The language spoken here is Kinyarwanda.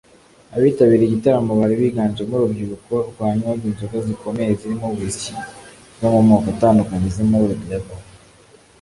Abitabiriye igitaramo bari biganjemo urubyiruko rwanywaga inzoga zikomeye zirimo whisky zo mu moko atandukanye zirimo Red Label